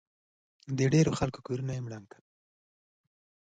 د ډېرو خلکو کورونه ئې هم وران کړل